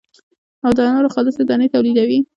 او د انارو خالصې دانې تولیدوي.